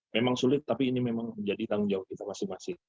memang sulit tapi ini memang menjadi tanggung jawab kita masing masing